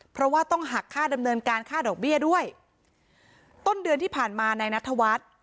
เพราะว่าต้องหักค่าดำเนินการค่าดอกเบี้ยด้วยต้นเดือนที่ผ่านมานายนัทวัฒน์